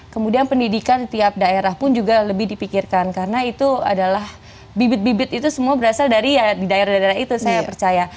kemudian pendidikan di tiap daerah pun juga lebih dipikirkan karena itu adalah bibit bibit itu semua berasal dari ya di daerah daerah itu saya percaya